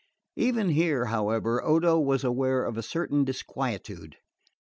Even here, however, Odo was aware of a certain disquietude.